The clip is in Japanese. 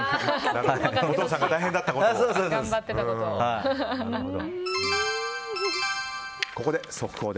お父さんが大変だったころのことを。